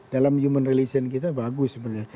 dalam human religion kita bagus sebenernya